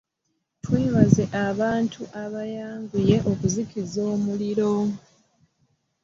Twebaza abantu abaayanguye okuzikiza omuliro.